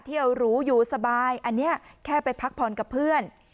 หรูอยู่สบายอันนี้แค่ไปพักผ่อนกับเพื่อน